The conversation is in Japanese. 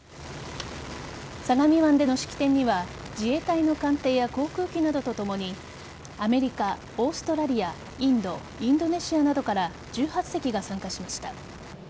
相模湾での式典には自衛隊の艦艇や航空機などとともにアメリカ、オーストラリアインド、インドネシアなどから１８隻が参加しました。